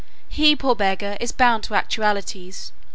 He, poor beggar, is bound to actualities.